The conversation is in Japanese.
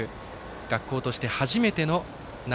学校として初めての夏